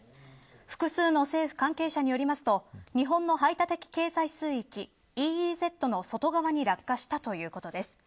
複数の政府関係者によりますと日本の排他的経済水域、ＥＥＺの外側に落下したということです。